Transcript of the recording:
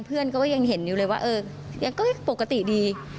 เพื่อนก็ยังเห็นอยู่เลยว่าเออยังก็ปกติดี